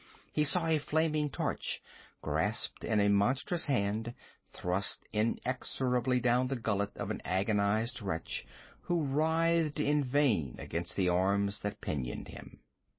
He saw a flaming torch, grasped in a monstrous hand, thrust inexorably down the gullet of an agonized wretch who writhed in vain against the arms that pinioned him.